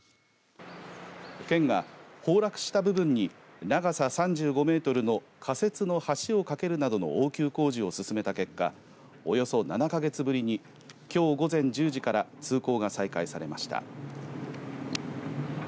県が崩落した部分に長さ３５メートルの仮設の橋を架けるなどの応急工事を進めた結果およそ７か月ぶりにきょう午前１０時から通行止めが再開されました。